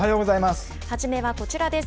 初めはこちらです。